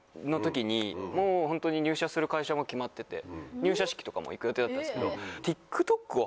入社式とかも行く予定だったんですけど。